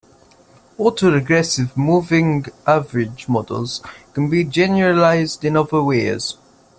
Autoregressive-moving-average models can be generalized in other ways.